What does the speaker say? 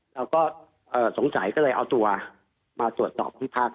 เราก็สงสัยก็เลยเอาตัวมาตรวจสอบที่พัก